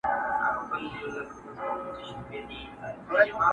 شپې ته راغله انګولا د بلاګانو.!